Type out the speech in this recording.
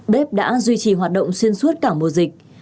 bếp đã duy trì hoạt động xuyên suốt cả mùa dịch